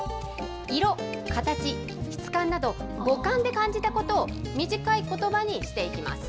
色、形、質感など、五感で感じたことを、短いことばにしていきます。